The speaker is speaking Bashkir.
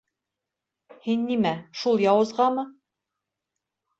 — Һин нимә, шул яуызғамы?